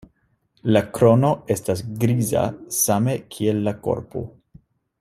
La krono estas griza same kiel la korpo.